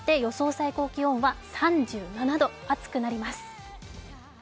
最高気温は３７度、暑くなります